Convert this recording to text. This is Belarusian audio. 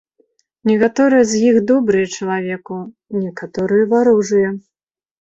Некаторыя з іх добрыя чалавеку, некаторыя варожыя.